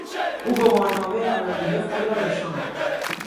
او گواهینامهی رانندگی خود را نشان داد.